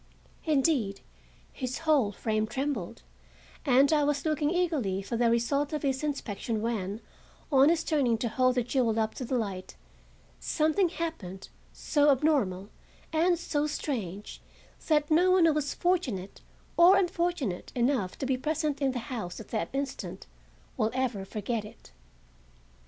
Indeed, his whole frame trembled, and I was looking eagerly for the result of his inspection when, on his turning to hold the jewel up to the light, something happened so abnormal and so strange that no one who was fortunate (or unfortunate) enough to be present in the house at that instant will ever forget it.